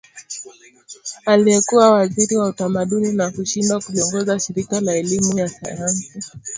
aliyekuwa waziri wa utamaduni na na kushindwa kuliongoza shirika la elimu sayansi na